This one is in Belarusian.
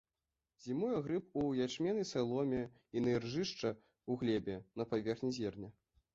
Зімуе грыб у ячменнай саломе і на іржышча, у глебе, на паверхні зерня.